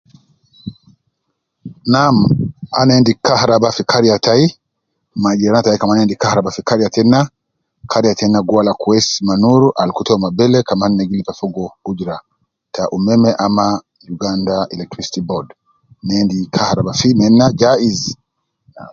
Nam ,ana endi kaharaba fi kariya tai, ma jiran tai kaman endi kaharaba fi kariya tena, kariya tena gi wala kwesi ma noor al kutu uwo me bele kaman ina gi lipa fogoo gudura ta umeme ama uganda electricity board, ne endi kaharaba fi mena ja iz